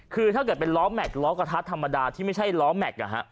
คือถ้าเกิดเป็นล้อแม็กซ้อกระทัดธรรมดาที่ไม่ใช่ล้อแม็กซ์